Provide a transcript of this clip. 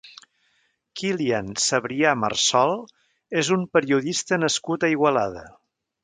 Kílian Sebrià Marsol és un periodista nascut a Igualada.